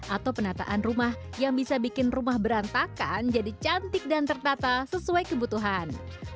atau penataan rumah yang bisa bikin rumah berantakan jadi cantik dan tertata sesuai kebutuhan